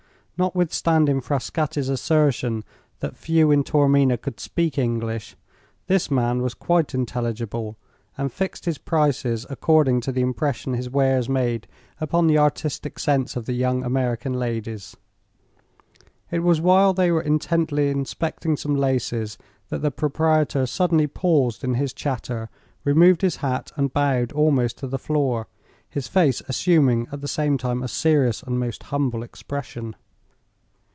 Notwithstanding Frascatti's assertion that few in Taormina could speak English, this man was quite intelligible and fixed his prices according to the impression his wares made upon the artistic sense of the young American ladies. It was while they were intently inspecting some laces that the proprietor suddenly paused in his chatter, removed his hat and bowed almost to the floor, his face assuming at the same time a serious and most humble expression.